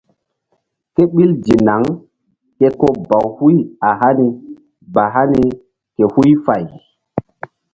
Kéɓil dinaŋ ke ko baw huy a hani ba hani ke huy fay.